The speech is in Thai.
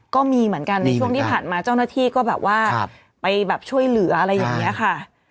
ก็มีเหมือนกันในช่วงที่ผ่านมาเจ้าหน้าที่ก็แบบว่าไปแบบช่วยเหลืออะไรอย่างนี้ค่ะ